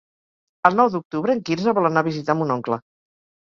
El nou d'octubre en Quirze vol anar a visitar mon oncle.